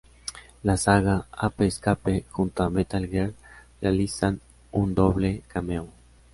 La saga "Ape Escape" junto a "Metal Gear", realizan un doble cameo.